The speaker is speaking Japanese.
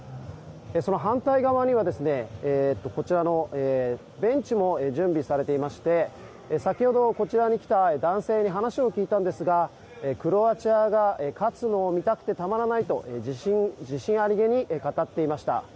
その反対側にはですねこちらのベンチも準備されていまして先ほど、こちらに来た男性に話を聞いたんですがクロアチアが勝つのを見たくてたまらないと自信ありげに語っていました。